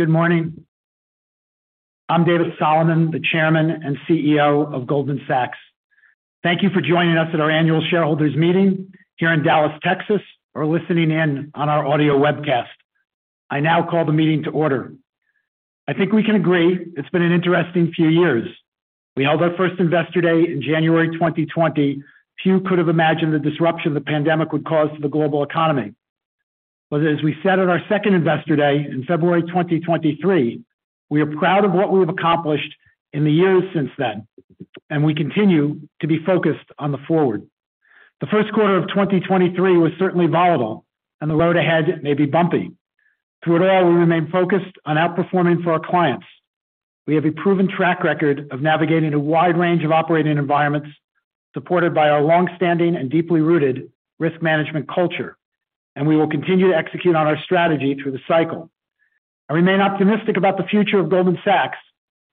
Good morning. I'm David Solomon, the Chairman and CEO of Goldman Sachs. Thank you for joining us at our annual shareholders meeting here in Dallas, Texas, or listening in on our audio webcast. I now call the meeting to order. I think we can agree it's been an interesting few years. We held our first investor day in January 2020. Few could have imagined the disruption the pandemic would cause to the global economy. As we said at our second investor day in February 2023, we are proud of what we have accomplished in the years since then, and we continue to be focused on the forward. The Q1 of 2023 was certainly volatile, and the road ahead may be bumpy. Through it all, we remain focused on outperforming for our clients. We have a proven track record of navigating a wide range of operating environments, supported by our long-standing and deeply rooted risk management culture, and we will continue to execute on our strategy through the cycle. I remain optimistic about the future of Goldman Sachs,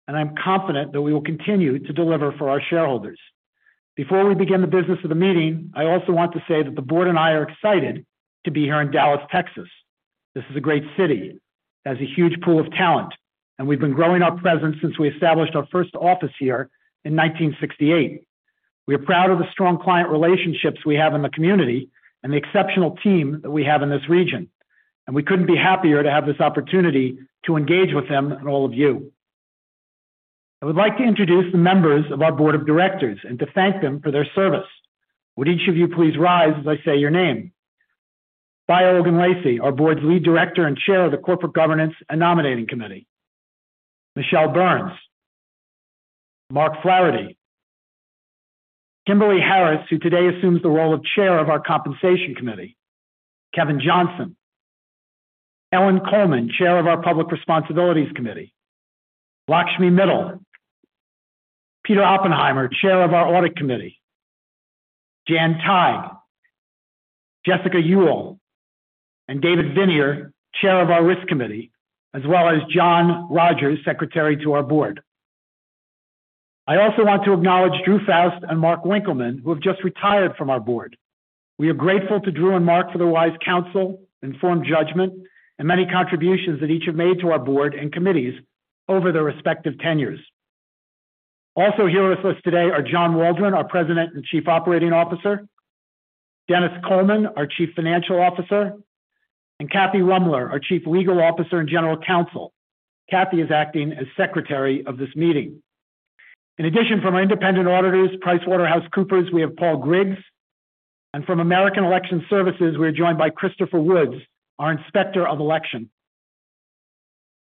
and I'm confident that we will continue to deliver for our shareholders. Before we begin the business of the meeting, I also want to say that the board and I are excited to be here in Dallas, Texas. This is a great city. It has a huge pool of talent, and we've been growing our presence since we established our first office here in 1968. We are proud of the strong client relationships we have in the community and the exceptional team that we have in this region, and we couldn't be happier to have this opportunity to engage with them and all of you. I would like to introduce the members of our Board of Directors and to thank them for their service. Would each of you please rise as I say your name. Bayo Ogunlesi, our board's Lead Director and Chair of the Corporate Governance and Nominating Committee. Michele Burns, Mark Flaherty, Kimberley Harris, who today assumes the role of Chair of our Compensation Committee. Kevin Johnson, Ellen Kullman, Chair of our Public Responsibilities Committee. Lakshmi Mittal, Peter Oppenheimer, Chair of our Audit Committee. Jan Tighe, Jessica Uhl, and David Viniar, Chair of our Risk Committee, as well as John Rogers, Secretary to our board. I also want to acknowledge Drew Faust and Mark Winkelman, who have just retired from our board. We are grateful to Drew and Mark for their wise counsel, informed judgment, and many contributions that each have made to our board and committees over their respective tenures. Also here with us today are John Waldron, our President and Chief Operating Officer, Denis Coleman, our Chief Financial Officer, and Kathy Ruemmler, our Chief Legal Officer and General Counsel. Kathy is acting as Secretary of this meeting. In addition, from our independent auditors, PricewaterhouseCoopers, we have Paul Griggs, and from American Election Services, we are joined by Christopher Woods, our Inspector of Election.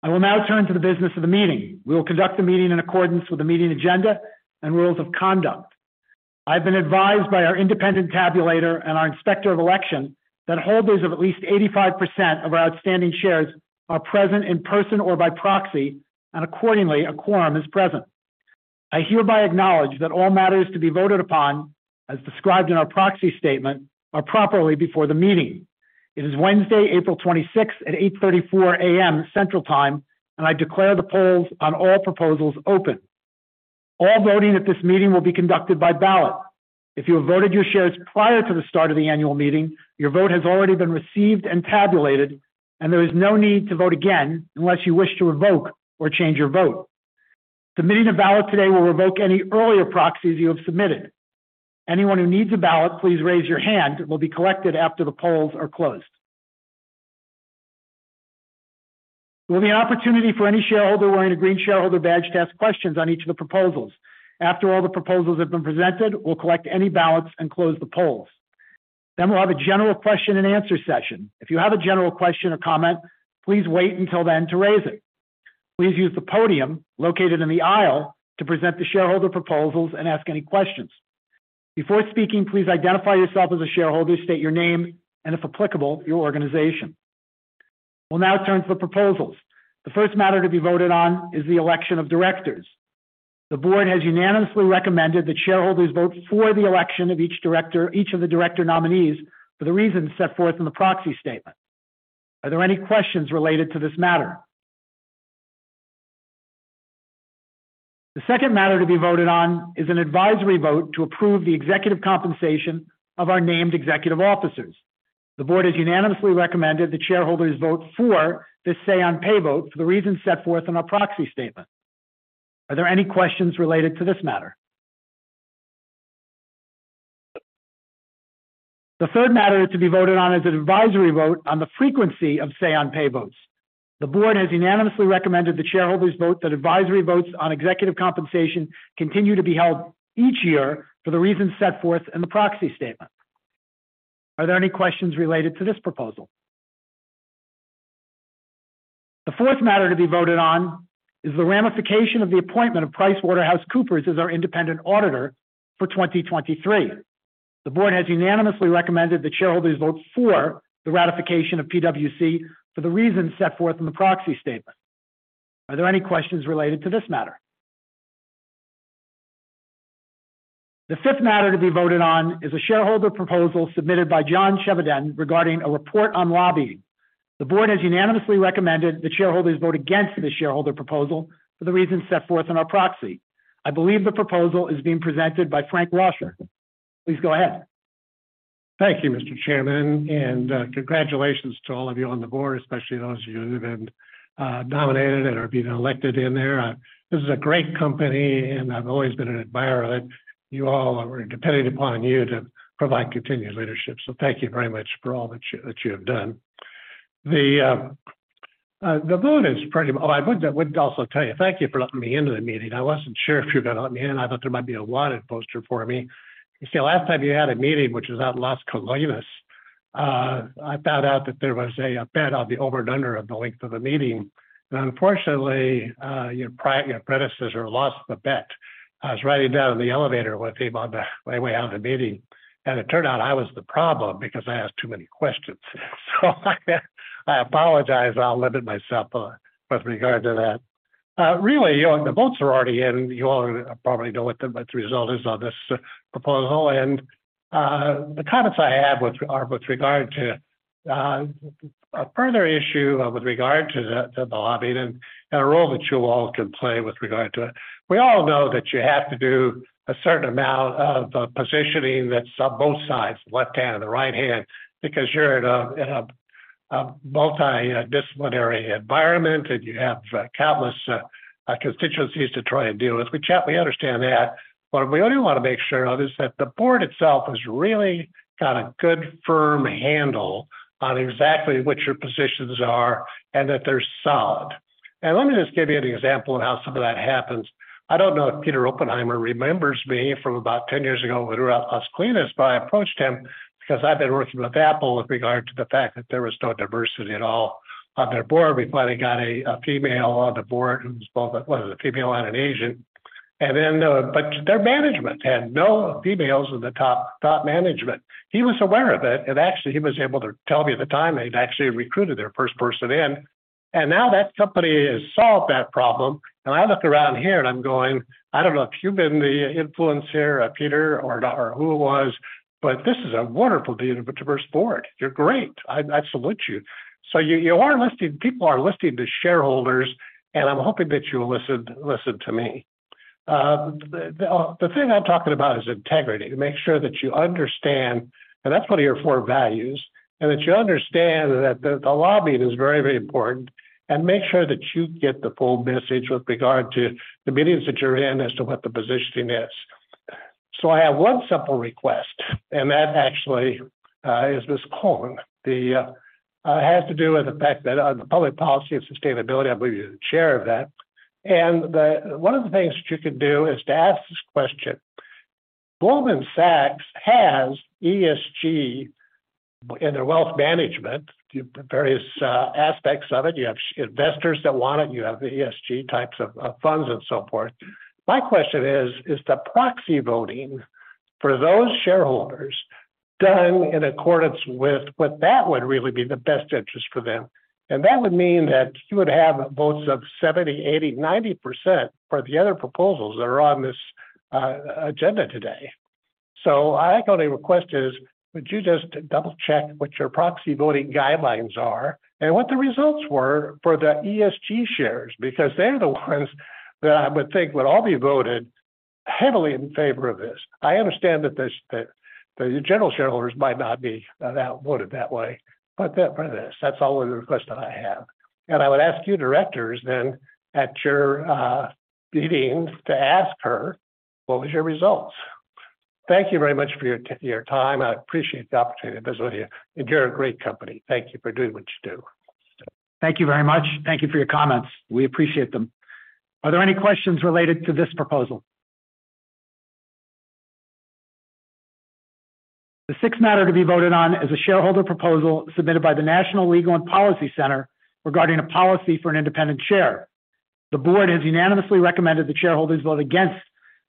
I will now turn to the business of the meeting. We will conduct the meeting in accordance with the meeting agenda and rules of conduct. I've been advised by our independent tabulator and our inspector of election that holders of at least 85% of our outstanding shares are present in person or by proxy, and accordingly, a quorum is present. I hereby acknowledge that all matters to be voted upon, as described in our proxy statement, are properly before the meeting. It is Wednesday, April 26th, at 8:34 A.M. Central Time, and I declare the polls on all proposals open. All voting at this meeting will be conducted by ballot. If you have voted your shares prior to the start of the annual meeting, your vote has already been received and tabulated, and there is no need to vote again unless you wish to revoke or change your vote. Submitting a ballot today will revoke any earlier proxies you have submitted. Anyone who needs a ballot, please raise your hand, will be collected after the polls are closed. There will be an opportunity for any shareholder wearing a green shareholder badge to ask questions on each of the proposals. After all the proposals have been presented, we'll collect any ballots and close the polls. We'll have a general question and answer session. If you have a general question or comment, please wait until then to raise it. Please use the podium located in the aisle to present the shareholder proposals and ask any questions. Before speaking, please identify yourself as a shareholder, state your name, and if applicable, your organization. We'll now turn to the proposals. The first matter to be voted on is the election of directors. The board has unanimously recommended that shareholders vote for the election of each director, each of the director nominees for the reasons set forth in the proxy statement. Are there any questions related to this matter? The second matter to be voted on is an advisory vote to approve the executive compensation of our named executive officers. The board has unanimously recommended that shareholders vote for this say on pay vote for the reasons set forth in our proxy statement. Are there any questions related to this matter? The third matter to be voted on is an advisory vote on the frequency of say on pay votes. The board has unanimously recommended that shareholders vote that advisory votes on executive compensation continue to be held each year for the reasons set forth in the proxy statement. Are there any questions related to this proposal? The fourth matter to be voted on is the ramification of the appointment of PricewaterhouseCoopers as our independent auditor for 2023. The board has unanimously recommended that shareholders vote for the ratification of PwC for the reasons set forth in the proxy statement. Are there any questions related to this matter? The fifth matter to be voted on is a shareholder proposal submitted by John Chevedden regarding a report on lobbying. The board has unanimously recommended that shareholders vote against this shareholder proposal for the reasons set forth in our proxy. I believe the proposal is being presented by Frank Rauscher. Please go ahead. Thank you, Mr. Chairman. Congratulations to all of you on the board, especially those of you who have been nominated and are being elected in there. This is a great company, and I've always been an admirer of it. You all are depending upon you to provide continued leadership. Thank you very much for all that you, that you have done. The vote is pretty. I would also tell you, thank you for letting me into the meeting. I wasn't sure if you were gonna let me in. I thought there might be a wanted poster for me. Last time you had a meeting, which was out in Las Colinas, I found out that there was a bet on the over and under of the length of the meeting. Unfortunately, your predecessor lost the bet. I was riding down in the elevator with him on the way out of the meeting, it turned out I was the problem because I asked too many questions. I apologize, I'll limit myself with regard to that. Really, you know, the votes are already in. You all probably know what the result is on this proposal, the comments I have are with regard to a further issue with regard to the lobbying and a role that you all can play with regard to it. We all know that you have to do a certain amount of positioning that's on both sides, the left hand and the right hand, because you're in a, in a multidisciplinary environment, and you have countless constituencies to try and deal with. We understand that, but what we only want to make sure of is that the board itself has really got a good firm handle on exactly what your positions are and that they're solid. Let me just give you an example of how some of that happens. I don't know if Peter Oppenheimer remembers me from about 10 years ago when we were at Las Colinas, but I approached him because I'd been working with Apple with regard to the fact that there was no diversity at all on their board. We finally got a female on the board who was both a, what is it, a female and an Asian. But their management had no females in the top management. He was aware of it, and actually, he was able to tell me at the time they'd actually recruited their first person in, and now that company has solved that problem. I look around here, and I'm going, I don't know if you've been the influencer, Peter or not, or who it was, but this is a wonderful diverse board. You're great. I salute you. You are listening, people are listening to shareholders, and I'm hoping that you'll listen to me. The thing I'm talking about is integrity, to make sure that you understand, and that's one of your four values, and that you understand that the lobbying is very, very important, and make sure that you get the full message with regard to the meetings that you're in as to what the positioning is. I have one simple request, and that actually is Ms. Cohen. It has to do with the fact that on the public policy of sustainability, I believe you're the chair of that. One of the things that you could do is to ask this question. Goldman Sachs has ESG in their wealth management, the various aspects of it. You have investors that want it. You have ESG types of funds and so forth. My question is the proxy voting for those shareholders done in accordance with what that would really be the best interest for them? That would mean that you would have votes of 70%, 80%, 90% for the other proposals that are on this agenda today. I got a request is, would you just double-check what your proxy voting guidelines are and what the results were for the ESG shares? Because they're the ones that I would think would all be voted heavily in favor of this. I understand that this, that the general shareholders might not be that voted that way, but this, that's all the request that I have. I would ask you directors then at your meetings to ask her, what was your results? Thank you very much for your time. I appreciate the opportunity to visit with you, and you're a great company. Thank you for doing what you do. Thank you very much. Thank you for your comments. We appreciate them. Are there any questions related to this proposal? The sixth matter to be voted on is a shareholder proposal submitted by the National Legal and Policy Center regarding a policy for an independent chair. The board has unanimously recommended that shareholders vote against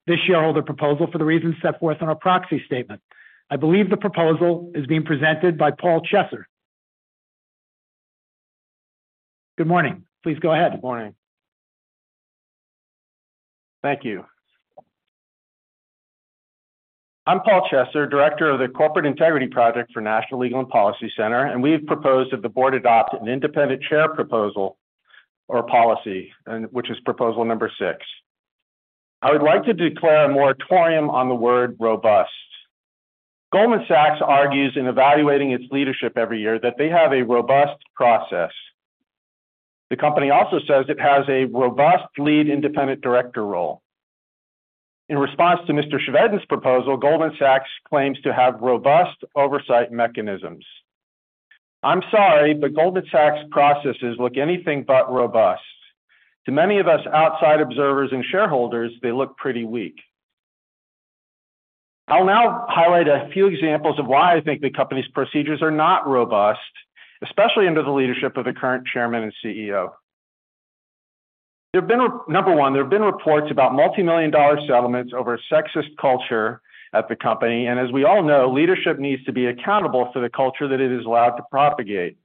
this shareholder proposal for the reasons set forth on our proxy statement. I believe the proposal is being presented by Paul Chesser. Good morning. Please go ahead. Good morning. Thank you. I'm Paul Chesser, Director of the Corporate Integrity Project for National Legal and Policy Center. We've proposed that the board adopt an independent chair proposal or policy, which is proposal number six. I would like to declare a moratorium on the word robust. Goldman Sachs argues in evaluating its leadership every year that they have a robust process. The company also says it has a robust lead independent director role. In response to Mr. Shved's proposal, Goldman Sachs claims to have robust oversight mechanisms. I'm sorry, Goldman Sachs' processes look anything but robust. To many of us outside observers and shareholders, they look pretty weak. I'll now highlight a few examples of why I think the company's procedures are not robust, especially under the leadership of the current Chairman and CEO. Number one, there have been reports about multimillion-dollar settlements over sexist culture at the company, and as we all know, leadership needs to be accountable for the culture that it is allowed to propagate.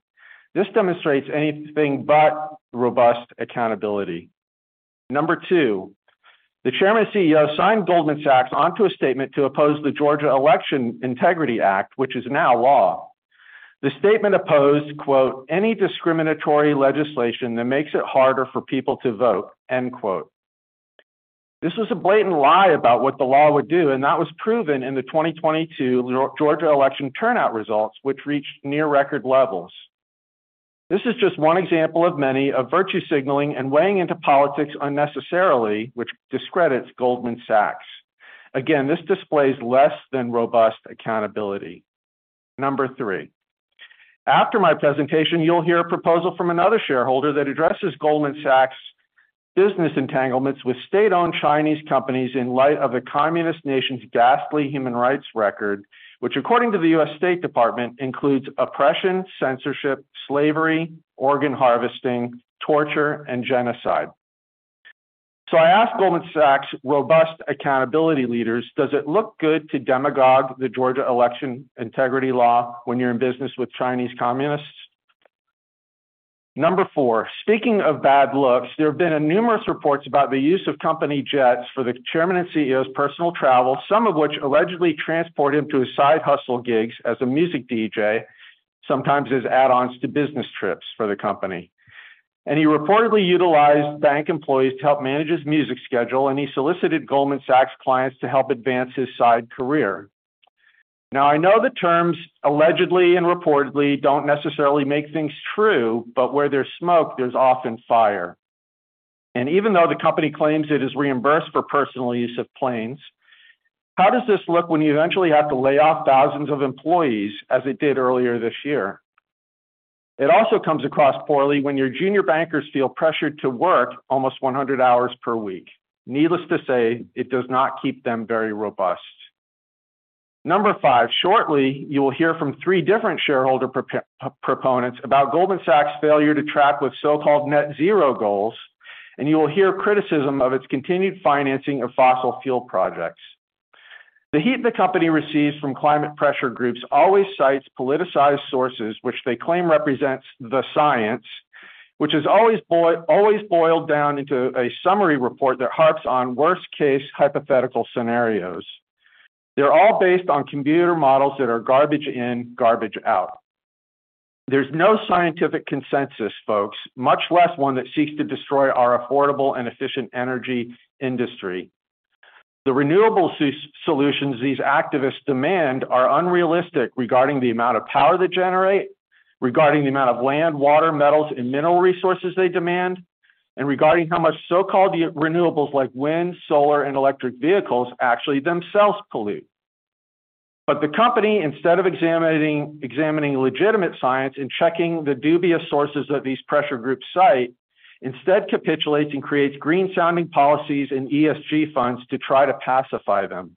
This demonstrates anything but robust accountability. Number two, the Chairman and CEO signed Goldman Sachs onto a statement to oppose the Georgia Election Integrity Act, which is now law. The statement opposed, quote, "Any discriminatory legislation that makes it harder for people to vote," end quote. This was a blatant lie about what the law would do, that was proven in the 2022 Georgia election turnout results, which reached near-record levels. This is just one example of many of virtue signaling and weighing into politics unnecessarily, which discredits Goldman Sachs. Again, this displays less than robust accountability. Number 3, after my presentation, you'll hear a proposal from another shareholder that addresses Goldman Sachs' business entanglements with state-owned Chinese companies in light of the communist nation's ghastly human rights record, which according to the US State Department, includes oppression, censorship, slavery, organ harvesting, torture, and genocide. I ask Goldman Sachs' robust accountability leaders, does it look good to demagogue the Georgia Election Integrity Law when you're in business with Chinese communists? Number four, speaking of bad looks, there have been numerous reports about the use of company jets for the Chairman and CEO's personal travel, some of which allegedly transport him to his side hustle gigs as a music DJ, sometimes as add-ons to business trips for the company. He reportedly utilized bank employees to help manage his music schedule, and he solicited Goldman Sachs clients to help advance his side career. I know the terms allegedly and reportedly don't necessarily make things true, but where there's smoke, there's often fire. Even though the company claims it is reimbursed for personal use of planes, how does this look when you eventually have to lay off thousands of employees as it did earlier this year? It also comes across poorly when your junior bankers feel pressured to work almost 100 hours per week. Needless to say, it does not keep them very robust. Number five, shortly, you will hear from three different shareholder proponents about Goldman Sachs' failure to track with so-called net zero goals, and you will hear criticism of its continued financing of fossil fuel projects. The heat the company receives from climate pressure groups always cites politicized sources which they claim represents the science, which is always boiled down into a summary report that harps on worst-case hypothetical scenarios. They're all based on computer models that are garbage in, garbage out. There's no scientific consensus, folks, much less one that seeks to destroy our affordable and efficient energy industry. The renewable solutions these activists demand are unrealistic regarding the amount of power they generate, regarding the amount of land, water, metals, and mineral resources they demand, and regarding how much so-called renewables like wind, solar, and electric vehicles actually themselves pollute. The company, instead of examining legitimate science and checking the dubious sources that these pressure groups cite, instead capitulates and creates green-sounding policies and ESG funds to try to pacify them.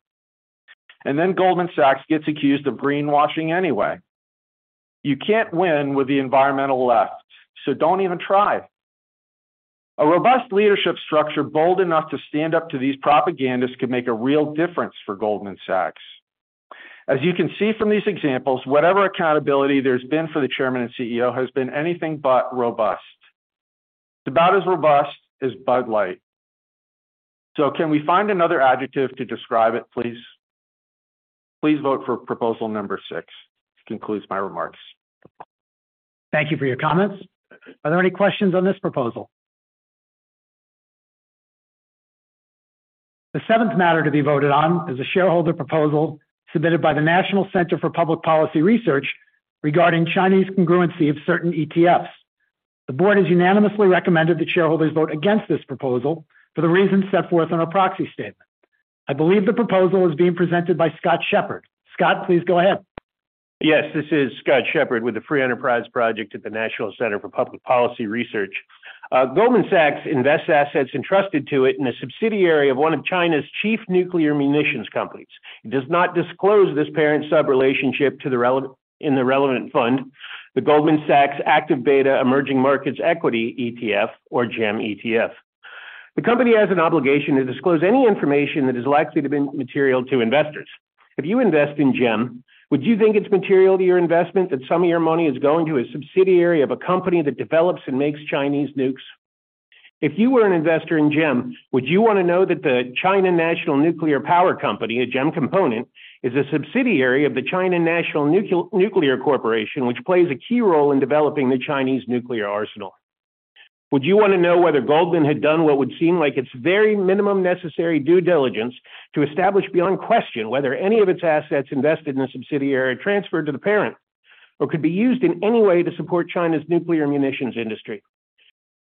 Goldman Sachs gets accused of greenwashing anyway. You can't win with the environmental left, don't even try. A robust leadership structure bold enough to stand up to these propagandists could make a real difference for Goldman Sachs. As you can see from these examples, whatever accountability there's been for the chairman and CEO has been anything but robust. It's about as robust as Bud Light. Can we find another adjective to describe it, please? Please vote for proposal number 6. This concludes my remarks. Thank you for your comments. Are there any questions on this proposal? The seventh matter to be voted on is a shareholder proposal submitted by the National Center for Public Policy Research regarding Chinese congruency of certain ETFs. The board has unanimously recommended that shareholders vote against this proposal for the reasons set forth in our proxy statement. I believe the proposal is being presented by Scott Shepard. Scott, please go ahead. Yes, this is Scott Shepard with the Free Enterprise Project at the National Center for Public Policy Research. Goldman Sachs invests assets entrusted to it in a subsidiary of one of China's chief nuclear munitions companies. It does not disclose this parent-sub relationship in the relevant fund, the Goldman Sachs ActiveBeta Emerging Markets Equity ETF or GEM ETF. The company has an obligation to disclose any information that is likely to be material to investors. If you invest in GEM, would you think it's material to your investment that some of your money is going to a subsidiary of a company that develops and makes Chinese nukes? If you were an investor in GEM, would you wanna know that the China National Nuclear Power company, a GEM component, is a subsidiary of the China National Nuclear Corporation, which plays a key role in developing the Chinese nuclear arsenal? Would you wanna know whether Goldman had done what would seem like its very minimum necessary due diligence to establish beyond question whether any of its assets invested in a subsidiary transferred to the parent or could be used in any way to support China's nuclear munitions industry?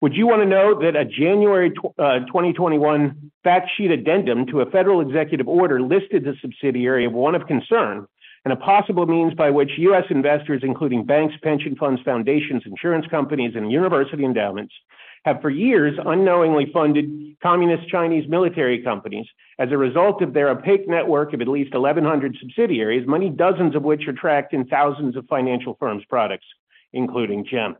Would you wanna know that a January 2021 fact sheet addendum to a federal executive order listed the subsidiary of one of concern and a possible means by which U.S. investors, including banks, pension funds, foundations, insurance companies, and university endowments, have for years unknowingly funded Communist Chinese military companies as a result of their opaque network of at least 1,100 subsidiaries, many dozens of which are tracked in thousands of financial firms' products, including GEM.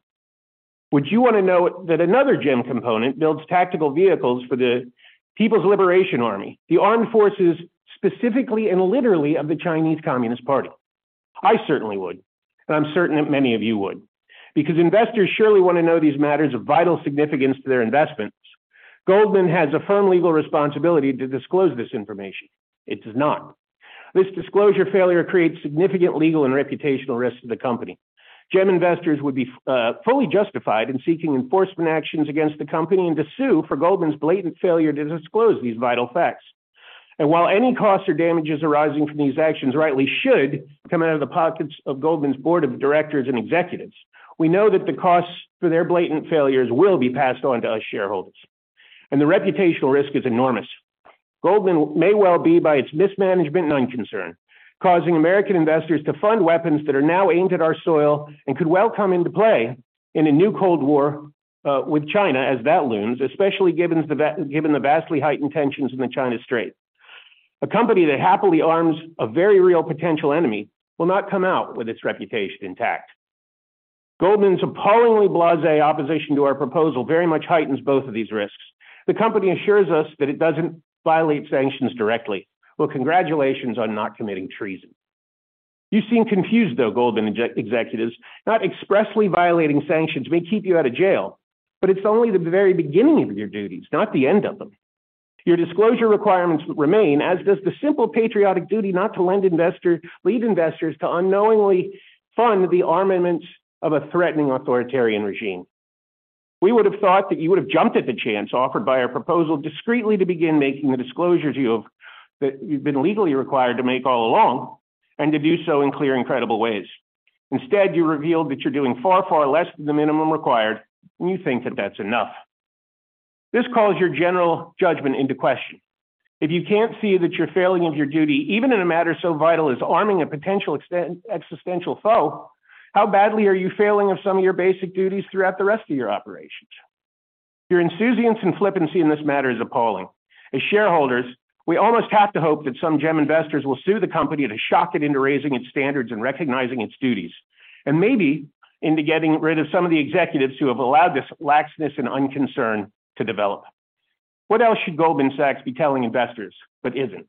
Would you wanna know that another GEM component builds tactical vehicles for the People's Liberation Army, the armed forces specifically and literally of the Chinese Communist Party? I certainly would, I'm certain that many of you would. Investors surely wanna know these matters of vital significance to their investments, Goldman has a firm legal responsibility to disclose this information. It does not. This disclosure failure creates significant legal and reputational risk to the company. GEM investors would be fully justified in seeking enforcement actions against the company and to sue for Goldman's blatant failure to disclose these vital facts. While any costs or damages arising from these actions rightly should come out of the pockets of Goldman's board of directors and executives, we know that the costs for their blatant failures will be passed on to us shareholders. The reputational risk is enormous. Goldman may well be, by its mismanagement, unconcerned, causing American investors to fund weapons that are now aimed at our soil and could well come into play in a new Cold War, with China as that looms, especially given the vastly heightened tensions in the Taiwan Strait. A company that happily arms a very real potential enemy will not come out with its reputation intact. Goldman's appallingly blase opposition to our proposal very much heightens both of these risks. The company assures us that it doesn't violate sanctions directly. Well, congratulations on not committing treason. You seem confused though, Goldman executives. Not expressly violating sanctions may keep you out of jail, but it's only the very beginning of your duties, not the end of them. Your disclosure requirements remain, as does the simple patriotic duty not to lend lead investors to unknowingly fund the armament of a threatening authoritarian regime. We would have thought that you would have jumped at the chance offered by our proposal discreetly to begin making the disclosures that you've been legally required to make all along and to do so in clear and credible ways. Instead, you revealed that you're doing far, far less than the minimum required, and you think that that's enough. This calls your general judgment into question. If you can't see that you're failing of your duty, even in a matter so vital as arming a potential existential foe, how badly are you failing of some of your basic duties throughout the rest of your operations? Your enthusiasm and flippancy in this matter is appalling. As shareholders, we almost have to hope that some GEM investors will sue the company to shock it into raising its standards and recognizing its duties, and maybe into getting rid of some of the executives who have allowed this laxness and unconcern to develop. What else should Goldman Sachs be telling investors, but isn't?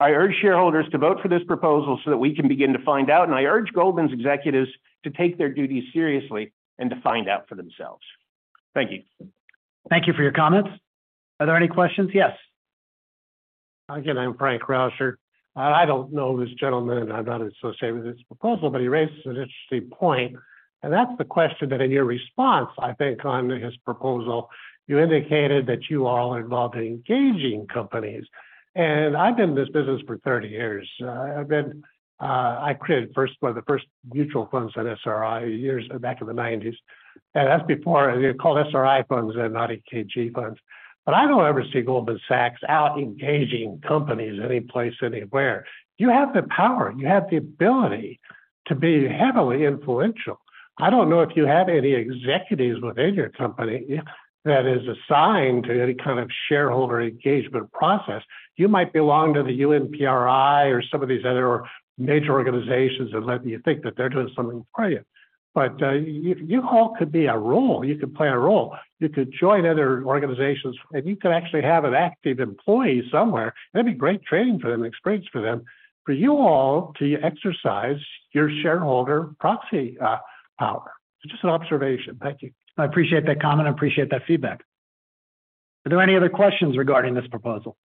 I urge shareholders to vote for this proposal so that we can begin to find out. I urge Goldman's executives to take their duties seriously and to find out for themselves. Thank you. Thank you for your comments. Are there any questions? Yes. Again, I'm Frank Rauscher. I don't know this gentleman, and I'm not associated with his proposal, but he raises an interesting point, and that's the question that in your response, I think, on his proposal, you indicated that you all are involved in engaging companies. I've been in this business for 30 years. I created one of the first mutual funds at SRI back in the nineties, and that's before they were called SRI funds and not ESG funds. I don't ever see Goldman Sachs out engaging companies any place, anywhere. You have the power, you have the ability to be heavily influential. I don't know if you have any executives within your company that is assigned to any kind of shareholder engagement process. You might belong to the UNPRI or some of these other major organizations and let you think that they're doing something for you. You all could be a role. You could play a role. You could join other organizations, and you could actually have an active employee somewhere. That'd be great training for them, experience for them, for you all to exercise your shareholder proxy power. It's just an observation. Thank you. I appreciate that comment. I appreciate that feedback. Are there any other questions regarding this proposal?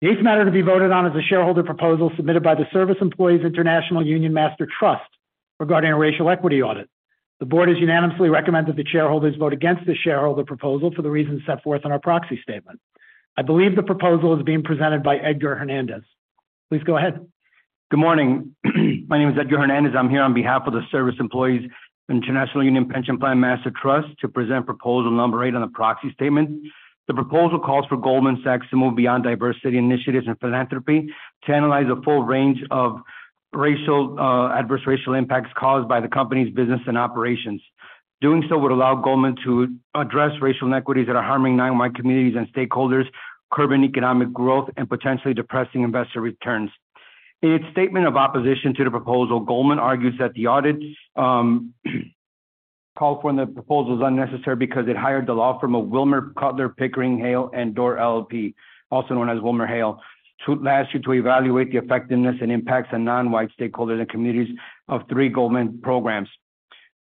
The eighth matter to be voted on is a shareholder proposal submitted by the Service Employees International Union Master Trust regarding a racial equity audit. The board has unanimously recommended that shareholders vote against this shareholder proposal for the reasons set forth in our proxy statement. I believe the proposal is being presented by Edgar Hernandez. Please go ahead. Good morning. My name is Edgar Hernandez. I'm here on behalf of the Service Employees International Union Pension Plan Master Trust to present proposal number eight on the proxy statement. The proposal calls for Goldman Sachs to move beyond diversity initiatives and philanthropy to analyze the full range of racial adverse racial impacts caused by the company's business and operations. Doing so would allow Goldman to address racial inequities that are harming non-white communities and stakeholders, curbing economic growth and potentially depressing investor returns. In its statement of opposition to the proposal, Goldman argues that the audit call for the proposal is unnecessary because it hired the law firm of Wilmer Cutler Pickering Hale and Dorr LLP, also known as WilmerHale, to last year to evaluate the effectiveness and impacts on non-white stakeholders and communities of three Goldman programs.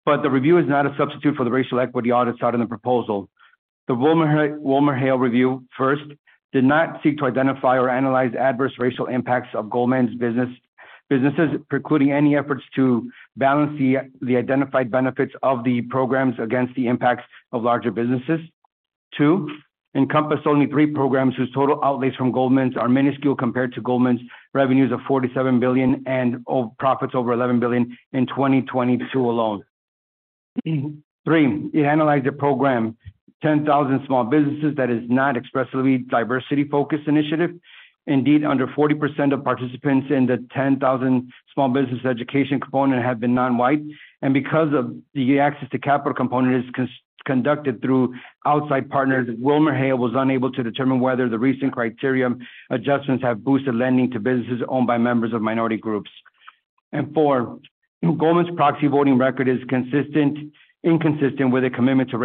The review is not a substitute for the racial equity audits out in the proposal. The WilmerHale review, First, did not seek to identify or analyze adverse racial impacts of Goldman Sachs' businesses, precluding any efforts to balance the identified benefits of the programs against the impacts of larger businesses. Two, encompass only three programs whose total outlays from Goldman Sachs' are minuscule compared to Goldman Sachs' revenues of $47 billion and, or profits over $11 billion in 2022 alone. Three, it analyzed a program, 10,000 Small Businesses that is not expressly diversity-focused initiative. Indeed, under 40% of participants in the 10,000 Small Businesses education component have been non-white. Because of the access to capital component is conducted through outside partners, WilmerHale was unable to determine whether the recent criteria adjustments have boosted lending to businesses owned by members of minority groups. Four, Goldman's proxy voting record is inconsistent with a commitment to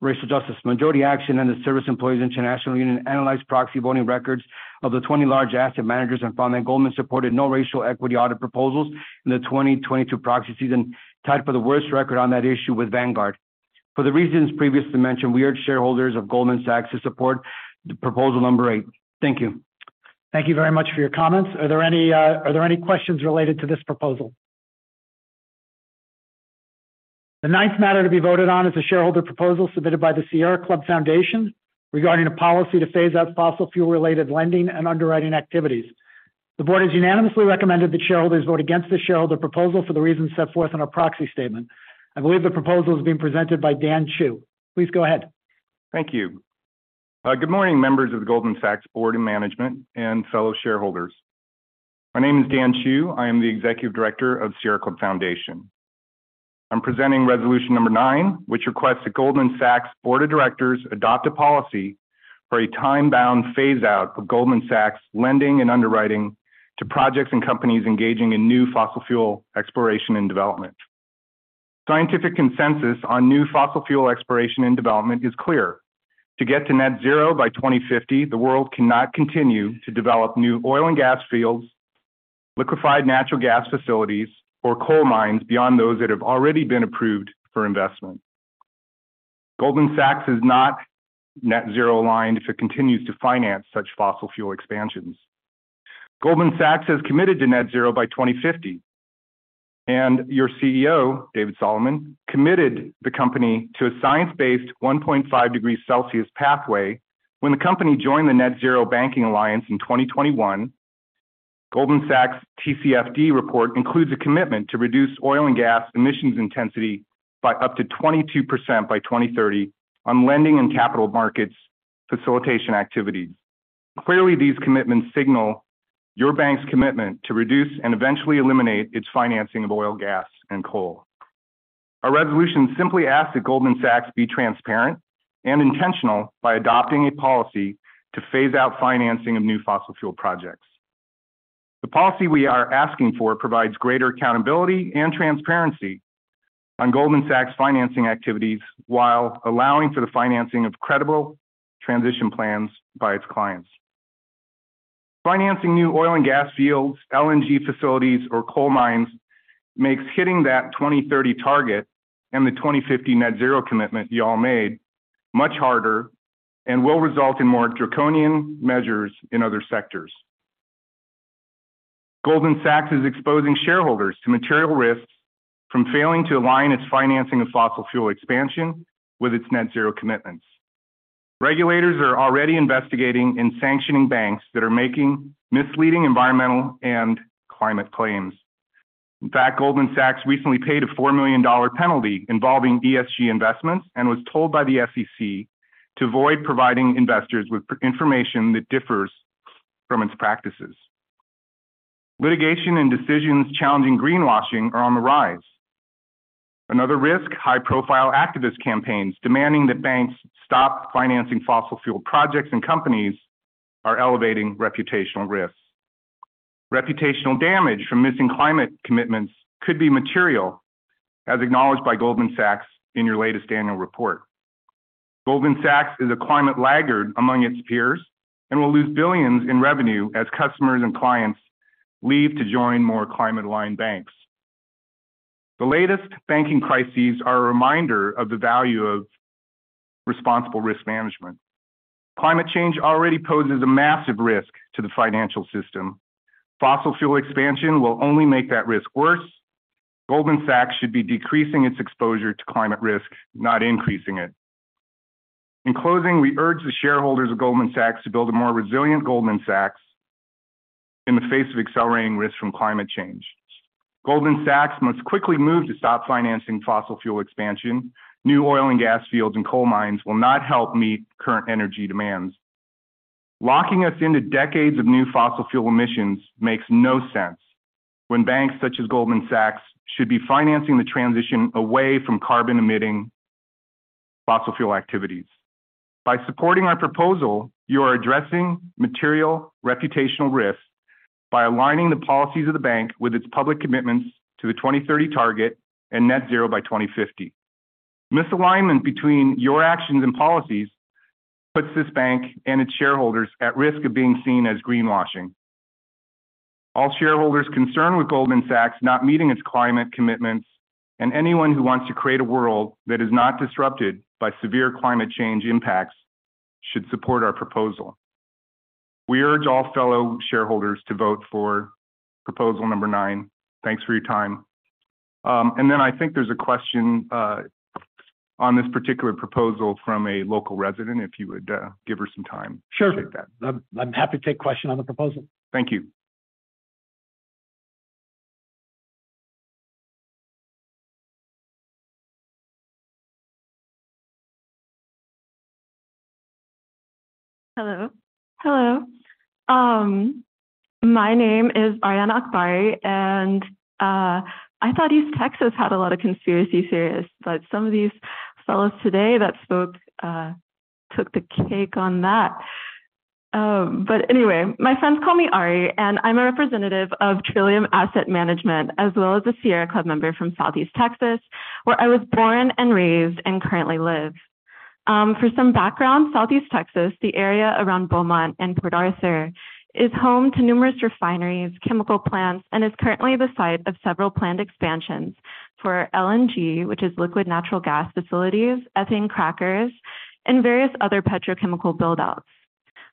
racial justice. Majority Action and the Service Employees International Union analyzed proxy voting records of the 20 large asset managers and found that Goldman supported no racial equity audit proposals in the 2022 proxy season, tied for the worst record on that issue with Vanguard. For the reasons previously mentioned, we urge shareholders of Goldman Sachs to support proposal number 8. Thank you. Thank you very much for your comments. Are there any questions related to this proposal? The ninth matter to be voted on is the shareholder proposal submitted by the Sierra Club Foundation regarding a policy to phase out fossil fuel-related lending and underwriting activities. The board has unanimously recommended that shareholders vote against the shareholder proposal for the reasons set forth in our proxy statement. I believe the proposal is being presented by Dan Chu. Please go ahead. Thank you. Good morning, members of the Goldman Sachs Board and management and fellow shareholders. My name is Dan Chu. I am the Executive Director of Sierra Club Foundation. I'm presenting resolution number nine, which requests that Goldman Sachs Board of Directors adopt a policy for a time-bound phase-out of Goldman Sachs lending and underwriting to projects and companies engaging in new fossil fuel exploration and development. Scientific consensus on new fossil fuel exploration and development is clear. To get to net zero by 2050, the world cannot continue to develop new oil and gas fields, liquefied natural gas facilities, or coal mines beyond those that have already been approved for investment. Goldman Sachs is not net zero aligned if it continues to finance such fossil fuel expansions. Goldman Sachs has committed to net zero by 2050, and your CEO, David Solomon, committed the company to a science-based 1.5 degrees Celsius pathway when the company joined the Net Zero Banking Alliance in 2021. Goldman Sachs TCFD report includes a commitment to reduce oil and gas emissions intensity by up to 22% by 2030 on lending and capital markets facilitation activities. Clearly, these commitments signal your bank's commitment to reduce and eventually eliminate its financing of oil, gas, and coal. Our resolution simply asks that Goldman Sachs be transparent and intentional by adopting a policy to phase out financing of new fossil fuel projects. The policy we are asking for provides greater accountability and transparency on Goldman Sachs financing activities while allowing for the financing of credible transition plans by its clients. Financing new oil and gas fields, LNG facilities, or coal mines makes hitting that 2030 target and the 2050 net zero commitment you all made much harder and will result in more draconian measures in other sectors. Goldman Sachs is exposing shareholders to material risks from failing to align its financing of fossil fuel expansion with its net zero commitments. Regulators are already investigating and sanctioning banks that are making misleading environmental and climate claims. Goldman Sachs recently paid a $4 million penalty involving ESG investments and was told by the SEC to avoid providing investors with information that differs from its practices. Litigation and decisions challenging greenwashing are on the rise. Another risk, high-profile activist campaigns demanding that banks stop financing fossil fuel projects and companies are elevating reputational risks. Reputational damage from missing climate commitments could be material, as acknowledged by Goldman Sachs in your latest annual report. Goldman Sachs is a climate laggard among its peers and will lose billions in revenue as customers and clients leave to join more climate-aligned banks. The latest banking crises are a reminder of the value of responsible risk management. Climate change already poses a massive risk to the financial system. Fossil fuel expansion will only make that risk worse. Goldman Sachs should be decreasing its exposure to climate risk, not increasing it. In closing, we urge the shareholders of Goldman Sachs to build a more resilient Goldman Sachs in the face of accelerating risks from climate change. Goldman Sachs must quickly move to stop financing fossil fuel expansion. New oil and gas fields and coal mines will not help meet current energy demands. Locking us into decades of new fossil fuel emissions makes no sense when banks such as Goldman Sachs should be financing the transition away from carbon-emitting fossil fuel activities. By supporting our proposal, you are addressing material reputational risks by aligning the policies of the bank with its public commitments to the 2030 target and net zero by 2050. Misalignment between your actions and policies puts this bank and its shareholders at risk of being seen as greenwashing. All shareholders concerned with Goldman Sachs not meeting its climate commitments and anyone who wants to create a world that is not disrupted by severe climate change impacts should support our proposal. We urge all fellow shareholders to vote for proposal number nine. Thanks for your time. I think there's a question on this particular proposal from a local resident, if you would give her some time. Sure. Take that. I'm happy to take question on the proposal. Thank you. Hello. Hello. My name is Arianna Akbari, and I thought East Texas had a lot of conspiracy theorists, but some of these fellows today that spoke took the cake on that. Anyway, my friends call me Ari, and I'm a representative of Trillium Asset Management, as well as a Sierra Club member from Southeast Texas, where I was born and raised and currently live. For some background, Southeast Texas, the area around Beaumont and Port Arthur, is home to numerous refineries, chemical plants, and is currently the site of several planned expansions for LNG, which is liquid natural gas facilities, ethane crackers, and various other petrochemical build-outs.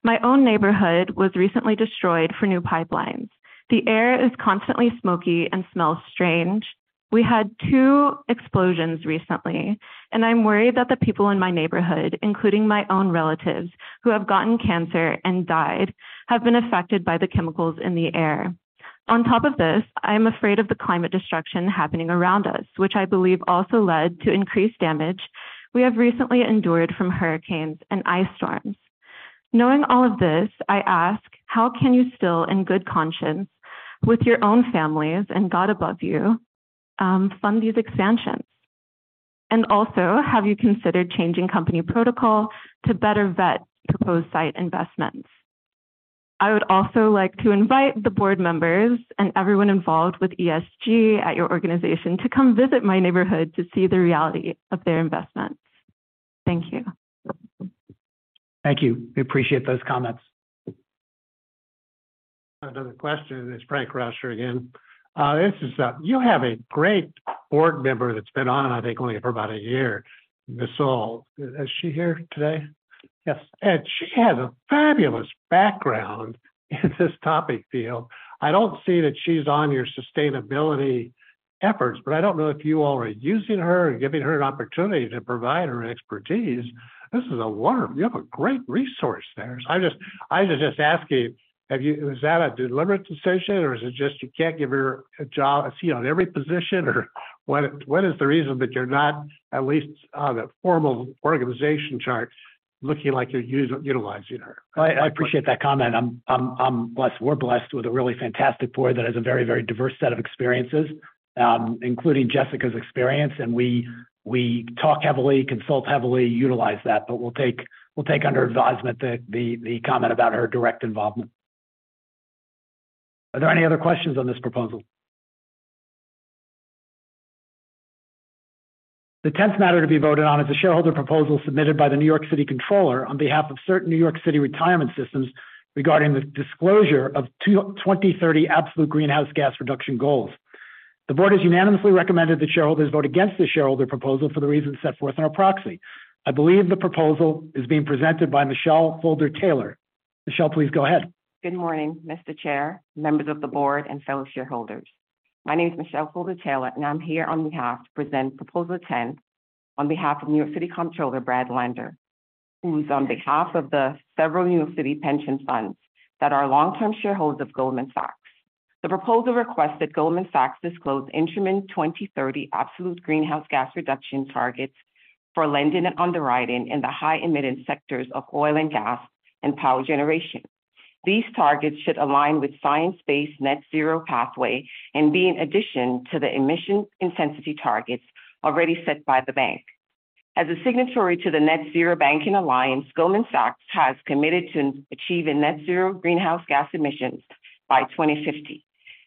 My own neighborhood was recently destroyed for new pipelines. The air is constantly smoky and smells strange. We had two explosions recently, and I'm worried that the people in my neighborhood, including my own relatives, who have gotten cancer and died, have been affected by the chemicals in the air. On top of this, I am afraid of the climate destruction happening around us, which I believe also led to increased damage we have recently endured from hurricanes and ice storms. Knowing all of this, I ask, how can you still in good conscience with your own families and God above you, fund these expansions? Also, have you considered changing company protocol to better vet proposed site investments? I would also like to invite the board members and everyone involved with ESG at your organization to come visit my neighborhood to see the reality of their investment. Thank you. Thank you. We appreciate those comments. Another question. It's Frank Rauscher again. You have a great board member that's been on, I think, only for about a year, Ms. Soul. Is she here today? Yes. She has a fabulous background in this topic field. I don't see that she's on your sustainability efforts, but I don't know if you all are using her and giving her an opportunity to provide her expertise. This is a warm... You have a great resource there. I was just asking, was that a deliberate decision, or is it just you can't give her a job, a seat on every position, or what is the reason that you're not at least on a formal organization chart looking like you're utilizing her? I appreciate that comment. I'm blessed. We're blessed with a really fantastic board that has a very, very diverse set of experiences, including Jessica's experience, and we talk heavily, consult heavily, utilize that. We'll take under advisement the comment about her direct involvement. Are there any other questions on this proposal? The tenth matter to be voted on is the shareholder proposal submitted by the New York City Comptroller on behalf of certain New York City retirement systems regarding the disclosure of 2030 absolute greenhouse gas reduction goals. The board has unanimously recommended that shareholders vote against the shareholder proposal for the reasons set forth in our proxy. I believe the proposal is being presented by Michelle Holder-Taylor. Michelle, please go ahead. Good morning, Mr. Chair, members of the board, and fellow shareholders. My name is Michelle Holder-Taylor, I'm here on behalf to present proposal 10 on behalf of New York City Comptroller Brad Lander, who's on behalf of the several New York City pension funds that are long-term shareholders of Goldman Sachs. The proposal requests that Goldman Sachs disclose interim 2030 absolute greenhouse gas reduction targets for lending and underwriting in the high-emitting sectors of oil and gas and power generation. These targets should align with science-based net zero pathway and be in addition to the emission intensity targets already set by the bank. As a signatory to the Net Zero Banking Alliance, Goldman Sachs has committed to achieving net zero greenhouse gas emissions by 2050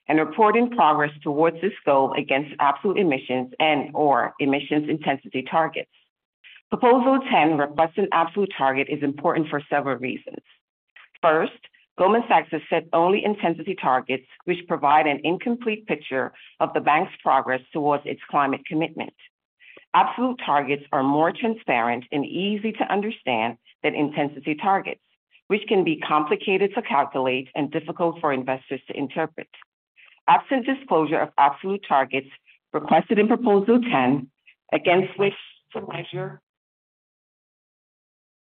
and reporting progress towards this goal against absolute emissions and or emissions intensity targets. Proposal 10 requests an absolute target is important for several reasons. First, Goldman Sachs has set only intensity targets which provide an incomplete picture of the bank's progress towards its climate commitment. Absolute targets are more transparent and easy to understand than intensity targets, which can be complicated to calculate and difficult for investors to interpret. Absent disclosure of absolute targets requested in proposal 10, against which to measure,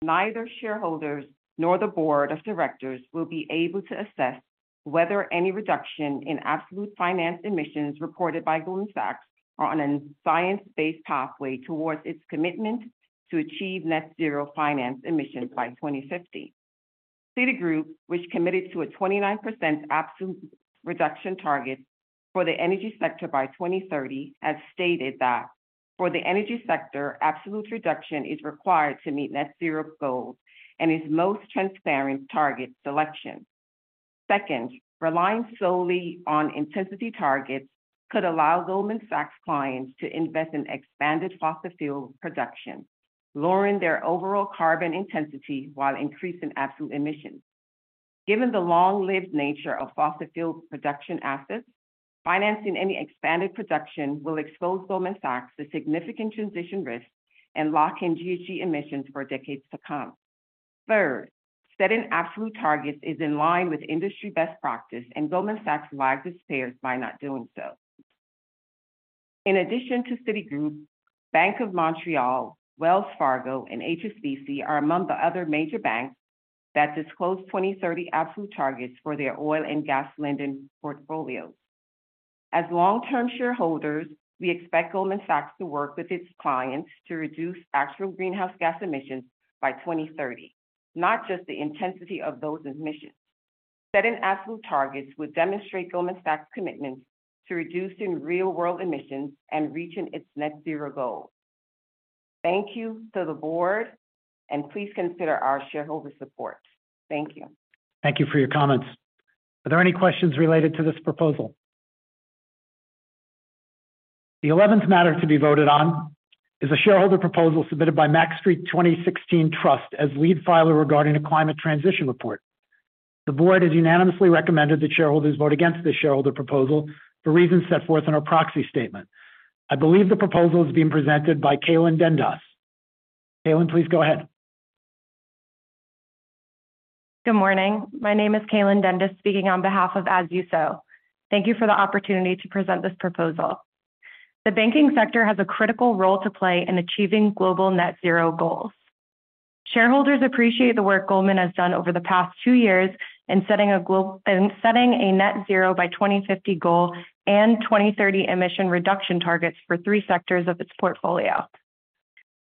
neither shareholders nor the board of directors will be able to assess whether any reduction in absolute finance emissions reported by Goldman Sachs are on a science-based pathway towards its commitment to achieve net zero finance emissions by 2050. Citigroup, which committed to a 29% absolute reduction target for the energy sector by 2030, has stated that for the energy sector, absolute reduction is required to meet net zero goals and is most transparent target selection. Relying solely on intensity targets could allow Goldman Sachs clients to invest in expanded fossil fuel production, lowering their overall carbon intensity while increasing absolute emissions. Given the long-lived nature of fossil fuel production assets, financing any expanded production will expose Goldman Sachs to significant transition risks and lock in GHG emissions for decades to come. Setting absolute targets is in line with industry best practice, and Goldman Sachs lags its peers by not doing so. In addition to Citigroup, Bank of Montreal, Wells Fargo, and HSBC are among the other major banks that disclose 2030 absolute targets for their oil and gas lending portfolios. As long-term shareholders, we expect Goldman Sachs to work with its clients to reduce actual greenhouse gas emissions by 2030, not just the intensity of those emissions. Setting absolute targets would demonstrate Goldman Sachs' commitment to reducing real-world emissions and reaching its net zero goal. Thank you to the board, and please consider our shareholder support. Thank you. Thank you for your comments. Are there any questions related to this proposal? The eleventh matter to be voted on is a shareholder proposal submitted by Max Street 2016 Trust as lead filer regarding a climate transition report. The board has unanimously recommended that shareholders vote against this shareholder proposal for reasons set forth in our proxy statement. I believe the proposal is being presented by Kaylyn Dendas. Kaylyn, please go ahead. Good morning. My name is Kaylyn Dendas, speaking on behalf of As You Sow. Thank you for the opportunity to present this proposal. The banking sector has a critical role to play in achieving global net zero goals. Shareholders appreciate the work Goldman has done over the past 2 years in setting a net zero by 2050 goal and 2030 emission reduction targets for 3 sectors of its portfolio.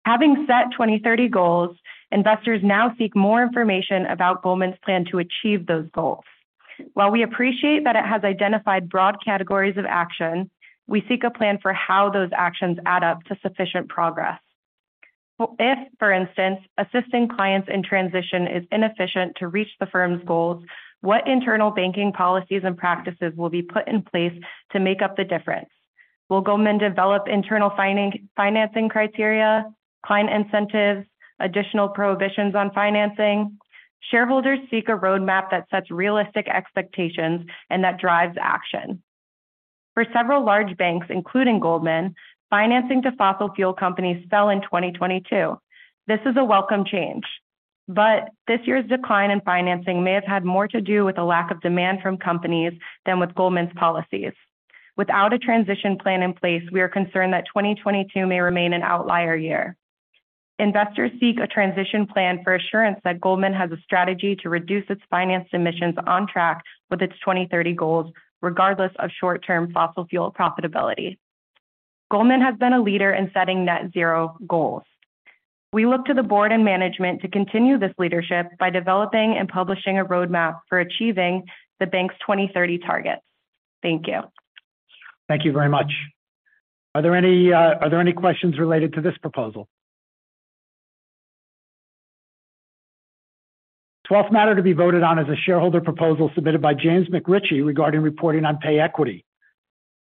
Having set 2030 goals, investors now seek more information about Goldman's plan to achieve those goals. While we appreciate that it has identified broad categories of action, we seek a plan for how those actions add up to sufficient progress. If, for instance, assisting clients in transition is inefficient to reach the firm's goals, what internal banking policies and practices will be put in place to make up the difference? Will Goldman develop internal financing criteria, client incentives, additional prohibitions on financing? Shareholders seek a roadmap that sets realistic expectations and that drives action. For several large banks, including Goldman, financing to fossil fuel companies fell in 2022. This is a welcome change, but this year's decline in financing may have had more to do with a lack of demand from companies than with Goldman's policies. Without a transition plan in place, we are concerned that 2022 may remain an outlier year. Investors seek a transition plan for assurance that Goldman has a strategy to reduce its financed emissions on track with its 2030 goals regardless of short-term fossil fuel profitability. Goldman has been a leader in setting net zero goals. We look to the board and management to continue this leadership by developing and publishing a roadmap for achieving the bank's 2030 targets. Thank you. Thank you very much. Are there any questions related to this proposal? Twelfth matter to be voted on is a shareholder proposal submitted by James McRitchie regarding reporting on pay equity.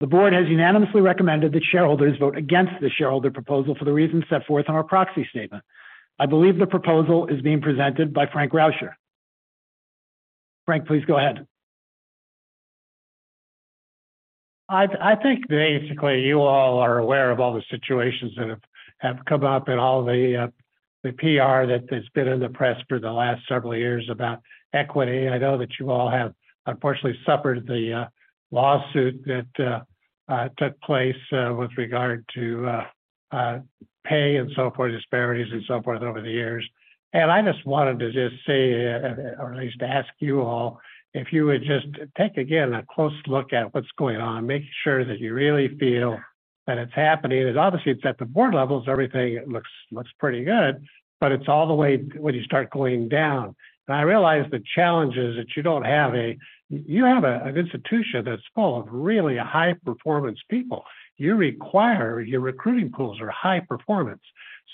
The board has unanimously recommended that shareholders vote against this shareholder proposal for the reasons set forth in our proxy statement. I believe the proposal is being presented by Frank Rauscher. Frank, please go ahead. I think basically you all are aware of all the situations that have come up and all the PR that has been in the press for the last several years about equity. I know that you all have unfortunately suffered the lawsuit that took place with regard to pay and so forth, disparities and so forth over the years. I just wanted to just say or at least ask you all if you would just take again a close look at what's going on, make sure that you really feel that it's happening, because obviously it's at the board levels, everything looks pretty good, but it's all the way when you start going down. I realize the challenges that you don't have. You have an institution that's full of really high-performance people. Your recruiting pools are high performance.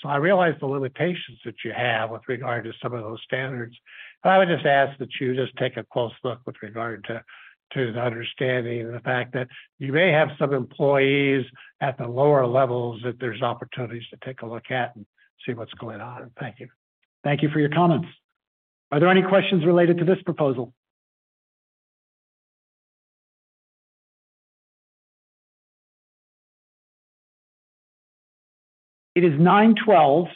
I realize the limitations that you have with regard to some of those standards. I would just ask that you just take a close look with regard to the understanding and the fact that you may have some employees at the lower levels that there's opportunities to take a look at and see what's going on. Thank you. Thank you for your comments. Are there any questions related to this proposal? It is 9:12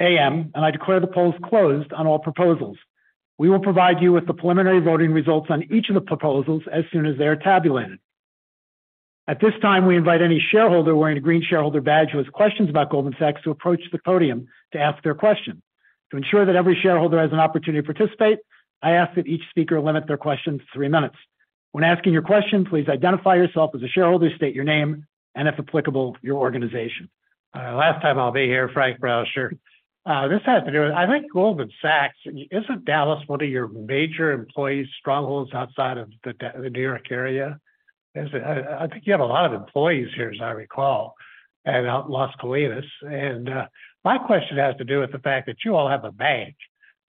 A.M. I declare the polls closed on all proposals. We will provide you with the preliminary voting results on each of the proposals as soon as they are tabulated. At this time, we invite any shareholder wearing a green shareholder badge who has questions about Goldman Sachs to approach the podium to ask their question. To ensure that every shareholder has an opportunity to participate, I ask that each speaker limit their question to 3 minutes. When asking your question, please identify yourself as a shareholder, state your name and, if applicable, your organization. Last time I'll be here, Frank Rauscher. This has to do with I think Goldman Sachs, isn't Dallas one of your major employee strongholds outside of the New York area? Is it? I think you have a lot of employees here, as I recall, and out in Las Colinas. My question has to do with the fact that you all have a bank,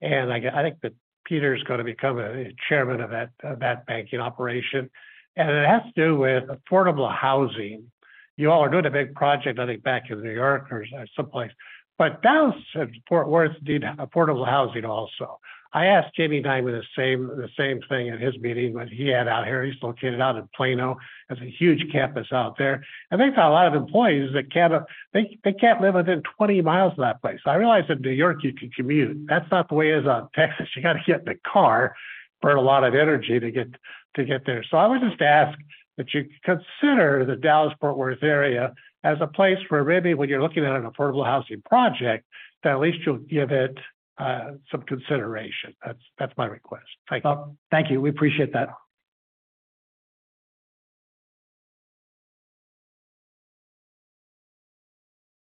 I think that Peter's gonna become a chairman of that banking operation, and it has to do with affordable housing. You all are doing a big project, I think back in New York or someplace, but Dallas and Fort Worth need affordable housing also. I asked Jamie Dimon the same thing at his meeting when he had out here. He's located out in Plano. There's a huge campus out there. They've got a lot of employees that can't live within 20 miles of that place. I realize in New York you can commute. That's not the way it is out in Texas. You gotta get in the car, burn a lot of energy to get there. I would just ask that you consider the Dallas-Fort Worth area as a place where maybe when you're looking at an affordable housing project, that at least you'll give it some consideration. That's my request. Thank you. Thank you. We appreciate that.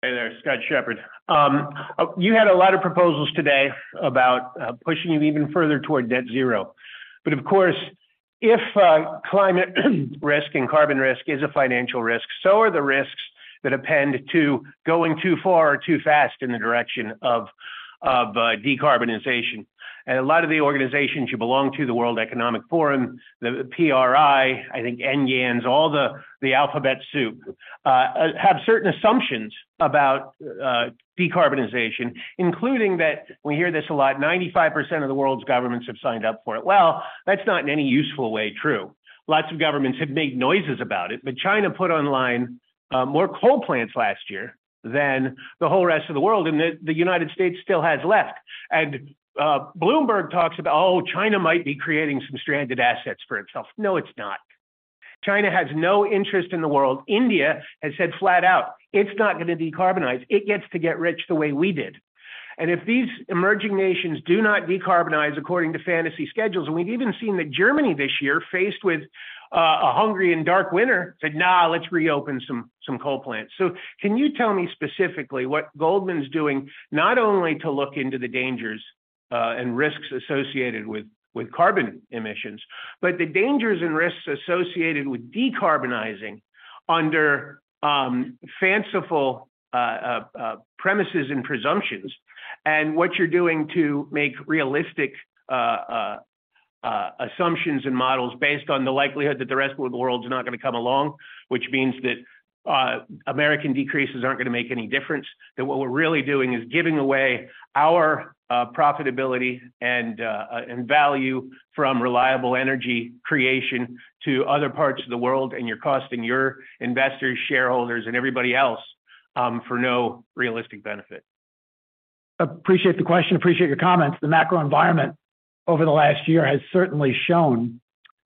Hey there. Scott Shepherd. You had a lot of proposals today about pushing you even further toward net zero. Of course, if climate risk and carbon risk is a financial risk, so are the risks that append to going too far or too fast in the direction of decarbonization. A lot of the organizations you belong to, the World Economic Forum, the PRI, I think NGOs, all the alphabet soup, have certain assumptions about decarbonization, including that we hear this a lot, 95% of the world's governments have signed up for it. That's not in any useful way true. Lots of governments have made noises about it, but China put online more coal plants last year than the whole rest of the world, and the United States still has left. Bloomberg talks about, oh, China might be creating some stranded assets for itself. No, it's not. China has no interest in the world. India has said flat out, "It's not gonna decarbonize. It gets to get rich the way we did." If these emerging nations do not decarbonize according to fantasy schedules, and we've even seen that Germany this year faced with a hungry and dark winter said, "Nah, let's reopen some coal plants." Can you tell me specifically what Goldman's doing not only to look into the dangers and risks associated with carbon emissions, but the dangers and risks associated with decarbonizing under fanciful premises and presumptions, and what you're doing to make realistic assumptions and models based on the likelihood that the rest of the world's not gonna come along, which means that American decreases aren't gonna make any difference. That what we're really doing is giving away our profitability and value from reliable energy creation to other parts of the world, and you're costing your investors, shareholders, and everybody else, for no realistic benefit. Appreciate the question. Appreciate your comments. The macro environment over the last year has certainly shown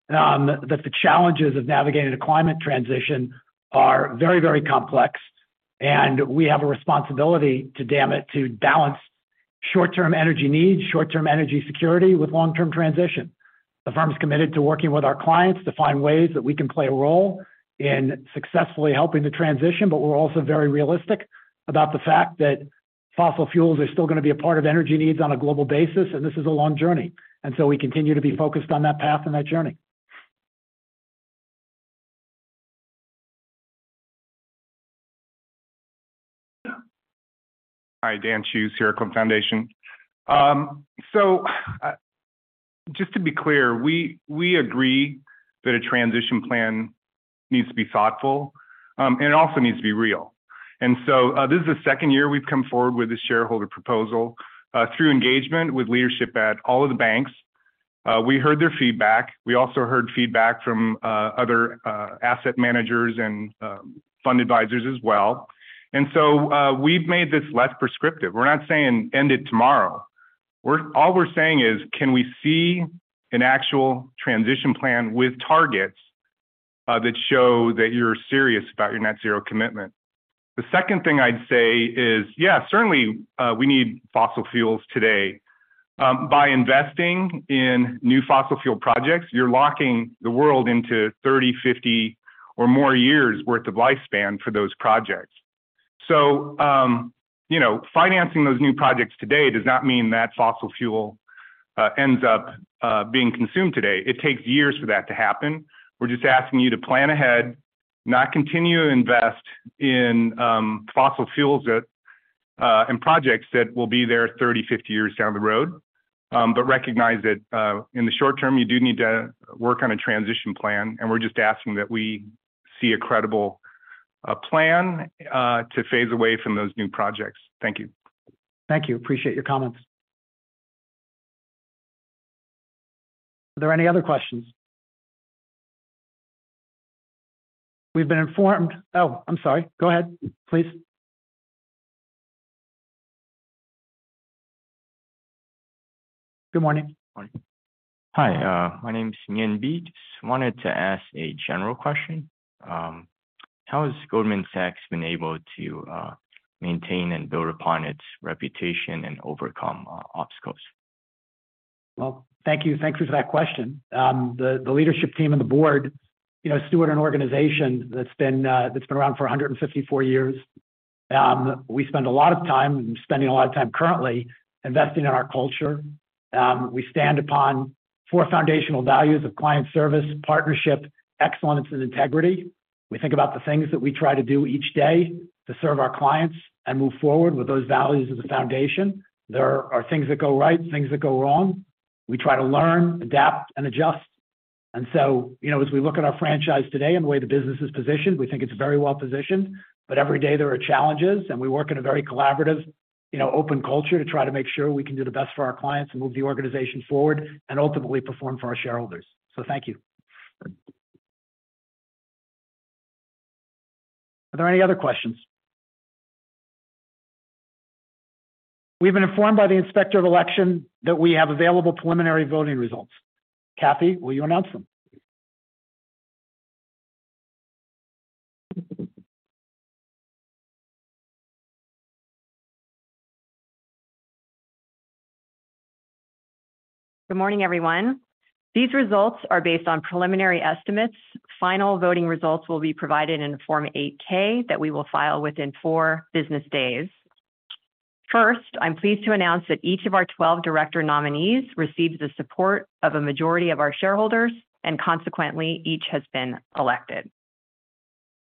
that the challenges of navigating a climate transition are very, very complex, and we have a responsibility to damn it to balance short-term energy needs, short-term energy security with long-term transition. The firm's committed to working with our clients to find ways that we can play a role in successfully helping the transition, but we're also very realistic about the fact that fossil fuels are still gonna be a part of energy needs on a global basis, and this is a long journey. We continue to be focused on that path and that journey. Hi, Dan Chu, Sierra Club Foundation. Just to be clear, we agree that a transition plan needs to be thoughtful and it also needs to be real. This is the second year we've come forward with a shareholder proposal through engagement with leadership at all of the banks. We heard their feedback. We also heard feedback from other asset managers and fund advisors as well. We've made this less prescriptive. We're not saying end it tomorrow. All we're saying is, can we see an actual transition plan with targets that show that you're serious about your net zero commitment? The second thing I'd say is, yeah, certainly, we need fossil fuels today. By investing in new fossil fuel projects, you're locking the world into 30, 50, or more years worth of lifespan for those projects. You know, financing those new projects today does not mean that fossil fuel ends up being consumed today. It takes years for that to happen. We're just asking you to plan ahead, not continue to invest in fossil fuels that and projects that will be there 30, 50 years down the road. Recognize that, in the short term, you do need to work on a transition plan, and we're just asking that we see a credible plan to phase away from those new projects. Thank you. Thank you. Appreciate your comments. Are there any other questions? We've been informed... Oh, I'm sorry. Go ahead, please. Good morning. Morning. Hi, my name is Nian Bi. Just wanted to ask a general question. How has Goldman Sachs been able to maintain and build upon its reputation and overcome obstacles? Well, thank you. Thank you for that question. The leadership team and the board, you know, steward an organization that's been around for 154 years. We spend a lot of time, and spending a lot of time currently investing in our culture. We stand upon 4 foundational values of client service, partnership, excellence, and integrity. We think about the things that we try to do each day to serve our clients and move forward with those values as a foundation. There are things that go right, things that go wrong. We try to learn, adapt, and adjust. You know, as we look at our franchise today and the way the business is positioned, we think it's very well positioned. Every day there are challenges, and we work in a very collaborative, you know, open culture to try to make sure we can do the best for our clients and move the organization forward and ultimately perform for our shareholders. Thank you. Are there any other questions? We've been informed by the Inspector of Election that we have available preliminary voting results. Kathy, will you announce them? Good morning, everyone. These results are based on preliminary estimates. Final voting results will be provided in Form 8-K that we will file within four business days. First, I'm pleased to announce that each of our 12 director nominees received the support of a majority of our shareholders, and consequently, each has been elected.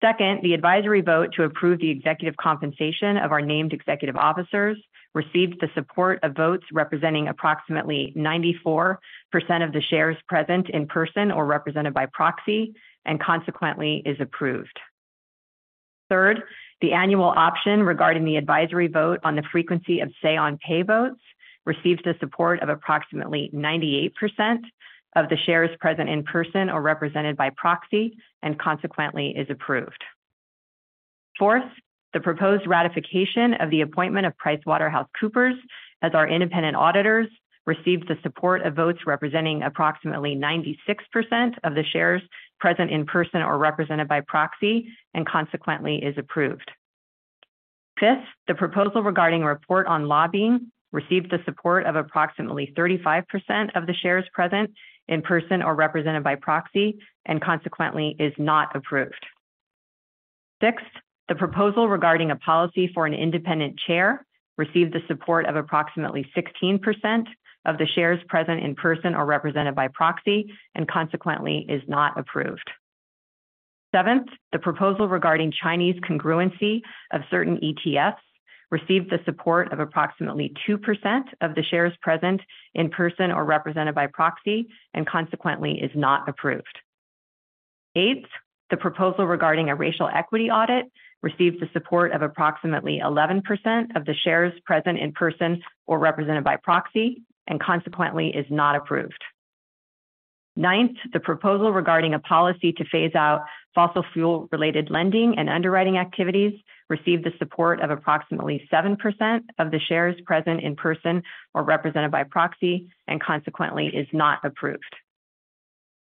Second, the advisory vote to approve the executive compensation of our named executive officers received the support of votes representing approximately 94% of the shares present in person or represented by proxy, and consequently is approved. Third, the annual option regarding the advisory vote on the frequency of say on pay votes receives the support of approximately 98% of the shares present in person or represented by proxy, and consequently is approved. Fourth, the proposed ratification of the appointment of PricewaterhouseCoopers as our independent auditors received the support of votes representing approximately 96% of the shares present in person or represented by proxy, and consequently is approved. Fifth, the proposal regarding a report on lobbying received the support of approximately 35% of the shares present in person or represented by proxy, and consequently is not approved. Sixth, the proposal regarding a policy for an independent chair received the support of approximately 16% of the shares present in person or represented by proxy, and consequently is not approved. Seventh, the proposal regarding Chinese congruency of certain ETFs received the support of approximately 2% of the shares present in person or represented by proxy, and consequently is not approved. Eighth, the proposal regarding a racial equity audit received the support of approximately 11% of the shares present in person or represented by proxy, and consequently is not approved. Ninth, the proposal regarding a policy to phase out fossil fuel-related lending and underwriting activities received the support of approximately 7% of the shares present in person or represented by proxy, and consequently is not approved.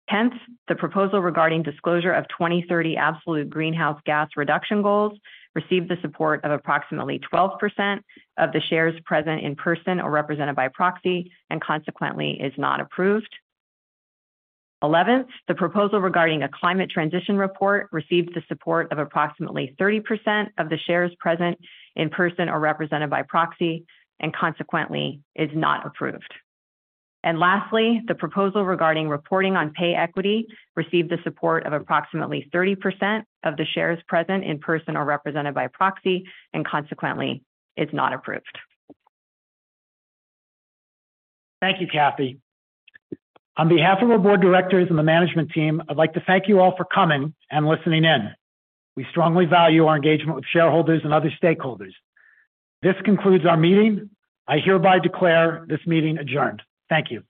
Tenth, the proposal regarding disclosure of 2030 absolute greenhouse gas reduction goals received the support of approximately 12% of the shares present in person or represented by proxy, and consequently is not approved. Eleventh, the proposal regarding a climate transition report received the support of approximately 30% of the shares present in person or represented by proxy, and consequently is not approved. Lastly, the proposal regarding reporting on pay equity received the support of approximately 30% of the shares present in person or represented by proxy, and consequently is not approved. Thank you, Kathy. On behalf of our board directors and the management team, I'd like to thank you all for coming and listening in. We strongly value our engagement with shareholders and other stakeholders. This concludes our meeting. I hereby declare this meeting adjourned. Thank you.